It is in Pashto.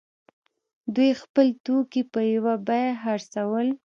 دوی خپل توکي په یوه بیه خرڅول.